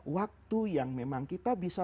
waktu yang memang kita bisa